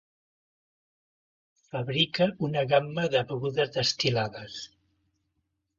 Fabrica una gamma de begudes destil·lades.